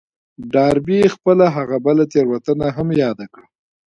ډاربي خپله هغه بله تېروتنه هم ياده کړه.